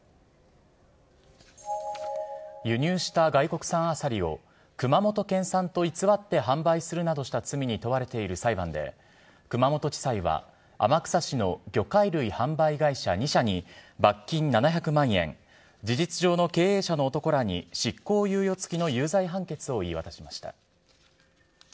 輸入した外国産アサリを、熊本県産と偽って販売するなどした罪に問われている裁判で、熊本地裁は、天草市の魚介類販売会社２社に、罰金７００万円、事実上の経営者の男らに執行猶予付きの有罪判決を言い渡しました。